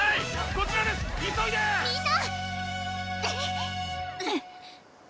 こちらです急いでみんな！